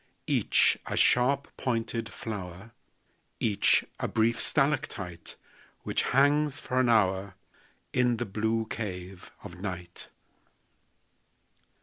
Each a sharp pointed flower, Each a brief stalactite Which hangs for an hour In the blue cave of night.